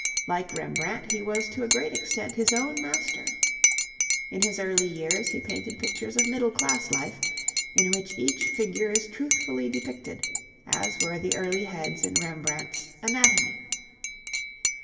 Like Rembrandt he was to a great extent his own master. In his early years he painted pictures of middle class life, in which each figure is truthfully depicted, as were the early heads in Rembrandt's 'Anatomy.'